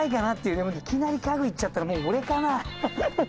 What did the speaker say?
でもいきなり家具いっちゃったらもう俺かな。